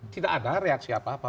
tidak ada reaksi apa apa